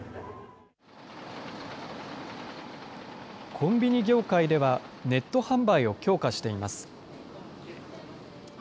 コンビニ業界では、ネット販売を強化しています。